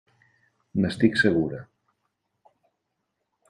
N'estic segura.